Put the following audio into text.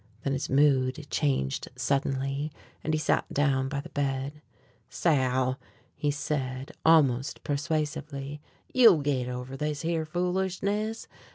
Then his mood changed suddenly, and he sat down by the bed. "Sal," he said almost persuasively, "you'll git over this here foolishness.